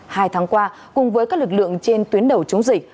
hai tháng qua cùng với các lực lượng trên tuyến đầu chống dịch